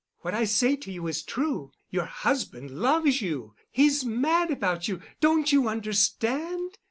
What I say to you is true. Your husband loves you. He's mad about you. Don't you understand?"